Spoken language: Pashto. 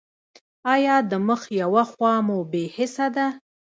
ایا د مخ یوه خوا مو بې حسه ده؟